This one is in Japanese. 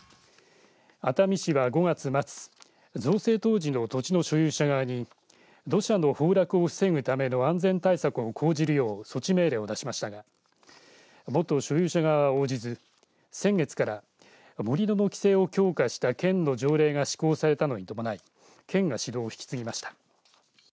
熱海市は５月末、造成当時の土地の所有者側に土砂の崩落を防ぐための安全対策を講じるよう措置命令を出しましたが元所有者側は応じず先月から盛り土の規制を強化した県の条例が施行されたのに伴い県が指導を引き継ぎました。